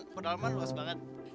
pedalaman luas banget